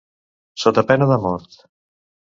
Sota pena de mort.